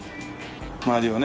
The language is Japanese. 周りをね。